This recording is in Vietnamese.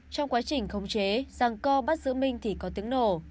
trong quá trình khống chế giang co bắt giữ mình thì có tiếng nổ